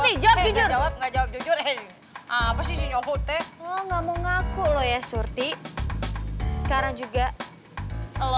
enggak jawab jawab enggak jawab jujur eh apa sih ngaku ngaku lo ya surti sekarang juga lo